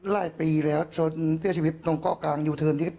ลายปีแล้วชนเตี้ยชีวิตตรงเกาะกลางอยู่เทิน